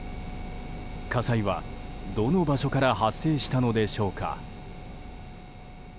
火災は、どの場所から発生したのでしょうか。